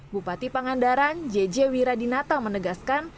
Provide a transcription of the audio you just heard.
bupati pangandaran jj wiradinata menegaskan